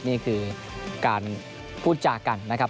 นี่คือการพูดจากันนะครับ